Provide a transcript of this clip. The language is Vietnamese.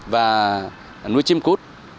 và nuôi chim cút